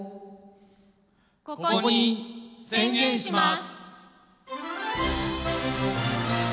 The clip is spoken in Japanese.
ここに宣言します。